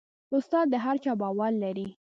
استاد د هر چا باور لري.